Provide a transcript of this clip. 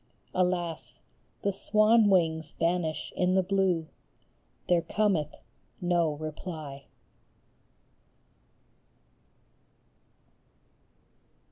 Alas, the swan wings vanish in the blue, There cometh no reply